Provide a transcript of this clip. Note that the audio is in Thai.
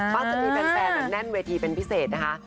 ก็จะมีแฟนแน่นเวทีเป็นพิเศษนะคะ